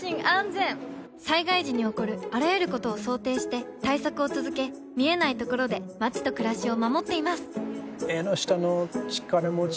災害時に起こるあらゆることを想定して対策を続け見えないところで街と暮らしを守っていますエンノシタノチカラモチ？